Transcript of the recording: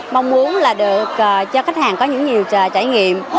mong muốn là được cho khách hàng có những nhiều trải nghiệm